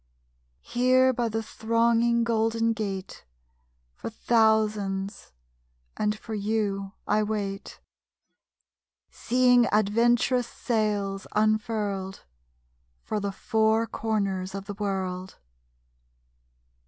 Here by the thronging Golden Gate For thousands and for you I wait, Seeing adventurous sails unfurled For the four corners of the world.